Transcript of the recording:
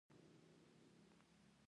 خلک باید د مالیې د تادیې قانون تعقیب کړي.